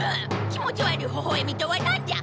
気持ち悪いほほえみとは何じゃ！